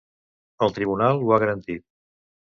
El tribunal ho ha garantit?